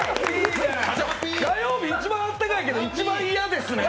火曜日一番あったかいですけど、一番嫌ですね。